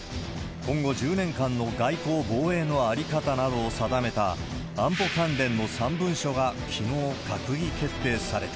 今後１０年間の外交・防衛の在り方などを定めた安保関連の３文書が、きのう閣議決定された。